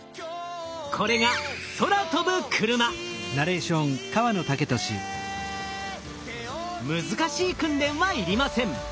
これが難しい訓練は要りません。